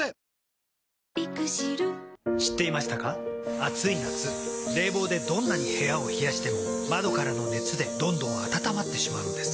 暑い夏冷房でどんなに部屋を冷やしても窓からの熱でどんどん暖まってしまうんです。